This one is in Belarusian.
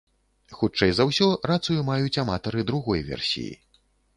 Хутчэй за ўсё, рацыю маюць аматары другой версіі.